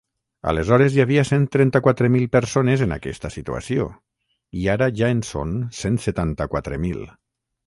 Aleshores, hi havia cent trenta-quatre mil persones en aquesta situació i ara ja en són cent setanta-quatre mil.